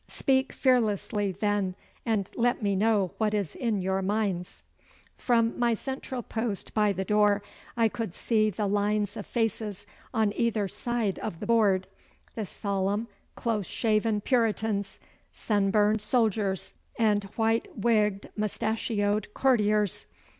Speak fearlessly, then, and let me know what is in your minds.' From my central post by the door I could see the lines of faces on either side of the board, the solemn close shaven Puritans, sunburned soldiers, and white wigged moustachioed courtiers.